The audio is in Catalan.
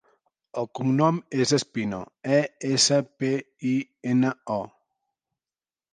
El cognom és Espino: e, essa, pe, i, ena, o.